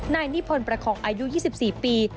นายนิพนธ์ประคองอายุ๒๔ปี